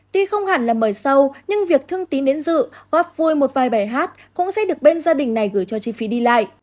tuy không hẳn là mời sâu nhưng việc thương tín đến dự góp vui một vài bài hát cũng sẽ được bên gia đình này gửi cho chi phí đi lại